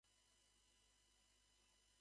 たくさん食べる